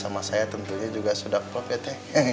ya manis sama saya tentunya juga sudah klop ya teh